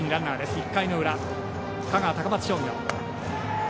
１回の裏、香川、高松商業。